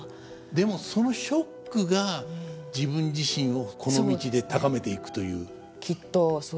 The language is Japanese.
でもそのショックが自分自身をこの道で高めていくという。